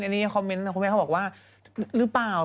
อันนี้คอมเมนต์นะคุณแม่เขาบอกว่าหรือเปล่า